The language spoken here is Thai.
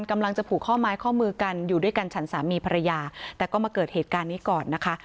กำลังจะผูกข้อไม้ข้อมือกันอยู่ด้วยกันฉันสามีภรรยาแต่ก็มาเกิดเหตุการณ์นี้ก่อนนะคะ